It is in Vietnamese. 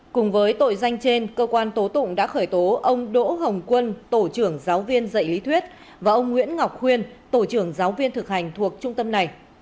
cùng với tội danh trên cơ quan tố tụng đã khởi tố ông đỗ hồng quân tổ trưởng giáo viên dạy lý thuyết và ông nguyễn ngọc khuyên tổ trưởng giáo viên thực hành thuộc trung tâm này